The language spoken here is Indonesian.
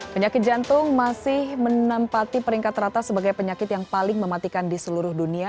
penyakit jantung masih menempati peringkat rata sebagai penyakit yang paling mematikan di seluruh dunia